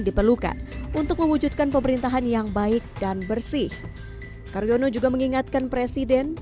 diperlukan untuk mewujudkan pemerintahan yang baik dan bersih karyono juga mengingatkan presiden